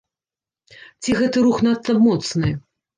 Ці гэты рух надта моцны?